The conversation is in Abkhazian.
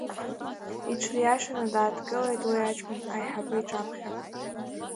Иҽыриашаны даагылеит, уи аҷкәын, аиҳабы иҿаԥхьа.